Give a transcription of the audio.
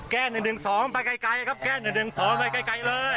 แก้หนึ่งหนึ่งสองไปไกลไกลครับแก้หนึ่งหนึ่งสองไปไกลไกลเลย